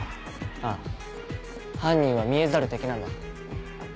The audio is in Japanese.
ああ犯人は「見えざる敵」なんだ。